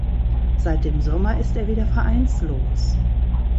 Seit dem Sommer ist er wieder vereinslos.